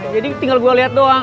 jadi tinggal gue liat doang